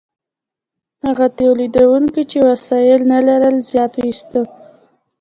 هغو تولیدونکو چې وسایل نه لرل زیار ویسته.